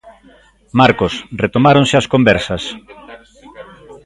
Marcos, retomáronse as conversas?